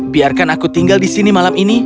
biarkan aku tinggal di sini malam ini